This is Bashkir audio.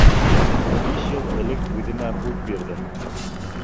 Биш йыл элек үҙемә һүҙ бирҙем.